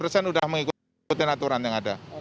sudah mengikuti aturan yang ada